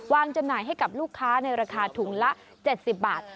จำหน่ายให้กับลูกค้าในราคาถุงละ๗๐บาท